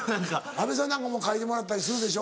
阿部さんなんかも描いてもらったりするでしょ。